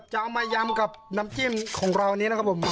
จะเอามายำกับน้ำจิ้มของเรานี้นะครับผม